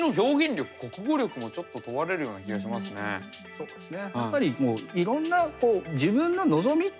そうですね。